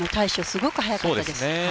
すごく早かったです。